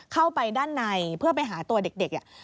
เข้าไปด้านในเพื่อไปหาตัวเด็ก